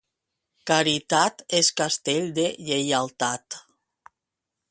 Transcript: Caritat és castell de lleialtat.